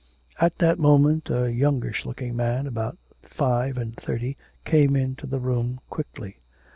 At that moment a youngish looking man, about five and thirty, came into the room quickly.